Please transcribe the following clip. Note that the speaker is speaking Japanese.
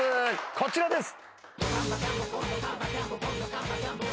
こちらです。